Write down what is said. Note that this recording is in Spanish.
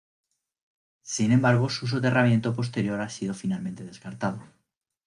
Sin embargo su soterramiento posterior ha sido finalmente descartado.